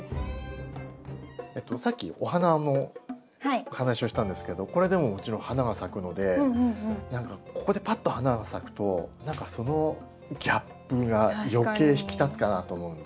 さっきお花の話をしたんですけどこれでももちろん花が咲くので何かここでパッと花が咲くと何かそのギャップが余計引き立つかなと思うんで。